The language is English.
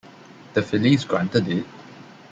The Phillies granted it.